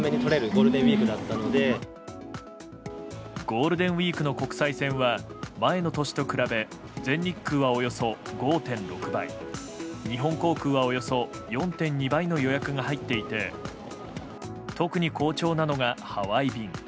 ゴールデンウィークの国際線は前の年と比べ全日空はおよそ５．６倍日本航空はおよそ４．２倍の予約が入っていて特に好調なのがハワイ便。